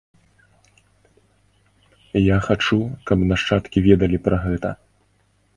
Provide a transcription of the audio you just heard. Я хачу, каб нашчадкі ведалі пра гэта.